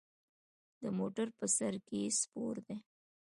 د موټر په سر کې سپور دی.